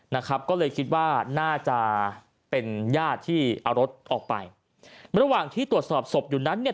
นะครับก็เลยคิดว่าน่าจะเป็นญาติที่เอารถออกไประหว่างที่ตรวจสอบศพอยู่นั้นเนี่ย